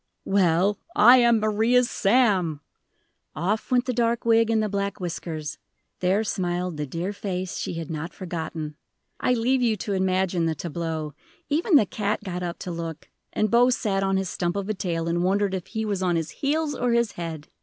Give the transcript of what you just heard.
"Well I am Maria's Sam!" Off went the dark wig and the black whiskers there smiled the dear face she had not forgotten! I leave you to imagine the tableau; even the cat got up to look, and Bose sat on his stump of a tail, and wondered if he was on his heels or his head.